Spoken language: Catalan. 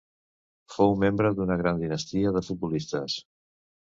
Fou membre d'una gran dinastia de futbolistes.